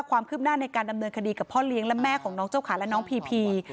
ความคืบหน้าในการดำเนินคดีกับพ่อเลี้ยงและแม่ของน้องเจ้าขาและน้องพีพี